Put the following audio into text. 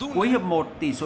cuối hợp một tỷ số